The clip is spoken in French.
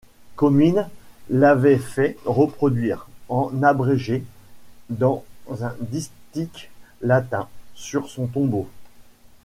Commines l'avait fait reproduire, en abrégé, dans un distique latin, sur son tombeau.